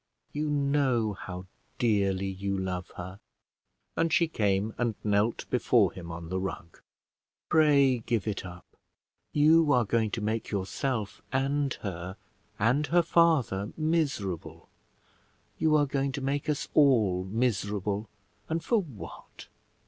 You know how dearly you love her." And she came and knelt before him on the rug. "Pray give it up. You are going to make yourself, and her, and her father miserable: you are going to make us all miserable. And for what?